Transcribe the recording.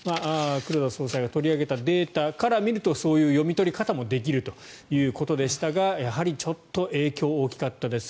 黒田総裁が取り上げたデータから見るとそういう読み取り方もできるということでしたがやはりちょっと影響は大きかったです。